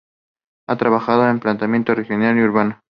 Ha trabajado en Planeamiento regional y urbano.